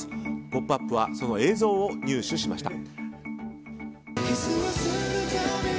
「ポップＵＰ！」はその映像を入手しました。